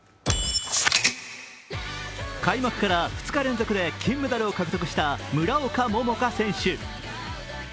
開幕から２日連続で金メダルを獲得した村岡桃佳選手。